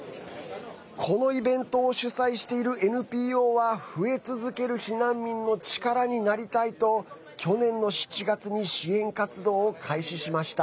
このイベントを主催しているＮＰＯは増え続ける避難民の力になりたいと去年の７月に支援活動を開始しました。